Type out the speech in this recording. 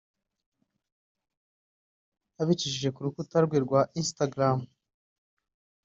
Abicishije ku rukuta rwe rwa Instagram